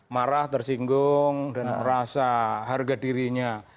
marah tersinggung dan merasa harga dirinya